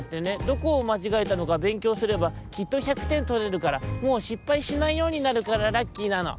どこをまちがえたのかべんきょうすればきっと１００てんとれるからもうしっぱいしないようになるからラッキーなの」。